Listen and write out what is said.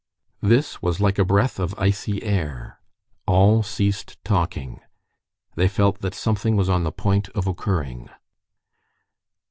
This was like a breath of icy air. All ceased talking. They felt that something was on the point of occurring.